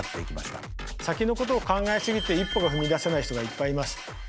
先のことを考えすぎて一歩が踏み出せない人がいっぱいいます。